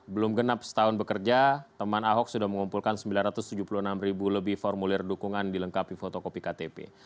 belum genap setahun bekerja teman ahok sudah mengumpulkan sembilan ratus tujuh puluh enam ribu lebih formulir dukungan dilengkapi fotokopi ktp